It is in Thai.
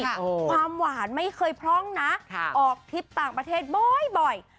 ความหวานไม่เคยพร่องนะออกทริปต่างประเทศบ่อย